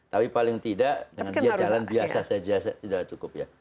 tapi paling tidak dengan dia jalan biasa saja sudah cukup ya